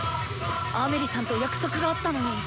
アメリさんと約束があったのに！